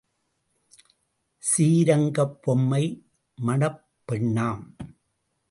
சீரங்கப் பொம்மை மணப்பெண்ணாம்.